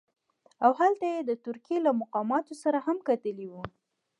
او هلته یې د ترکیې له مقاماتو سره هم کتلي وو.